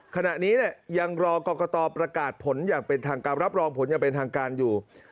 ขณะนี้ยังรอกรกตประกาศผลอย่างเป็นทางการรับรองผลอย่างเป็นทางการอยู่